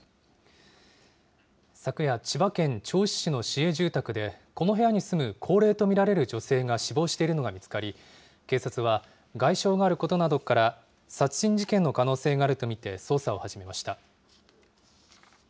昨夜、千葉県銚子市の市営住宅で、この部屋に住む高齢と見られる女性が死亡しているのが見つかり、警察は外傷があることなどから、殺人事件の可能性があると見て、捜査を始めました。